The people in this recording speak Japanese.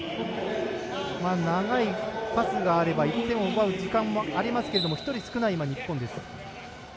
長いパスがあれば１点を奪う時間もありますが１人少ない日本です。